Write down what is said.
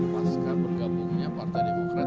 pasca bergabungnya partai demokrat